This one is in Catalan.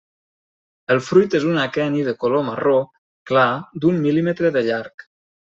El fruit és un aqueni de color marró clar d'un mil·límetre de llarg.